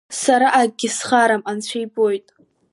Сара акгьы схарам, анцәа ибоит…